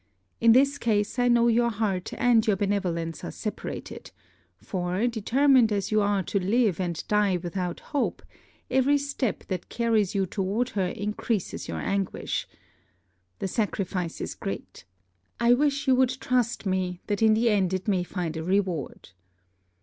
In this case, I know your heart and your benevolence are separated; for, determined as you are to live and die without hope, every step that carries you toward her increases your anguish. The sacrifice is great. I wish you would trust me, that in the end it may find a reward.